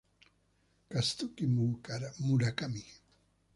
Kazuki Murakami